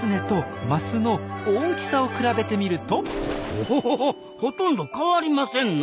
おお！ほとんど変わりませんな。